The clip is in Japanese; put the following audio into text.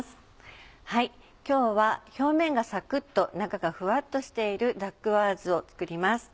今日は表面がサクっと中がフワっとしているダックワーズを作ります。